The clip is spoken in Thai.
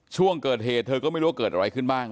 ช่วงเกิดเหตุเธอก็ไม่รู้ว่าเกิดอะไรขึ้นบ้าง